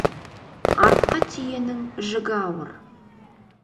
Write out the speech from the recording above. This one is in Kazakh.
Артқы түйенің жүгі ауыр.